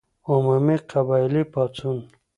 عمومي قبایلي پاڅون.